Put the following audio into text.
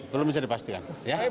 belum bisa dipastikan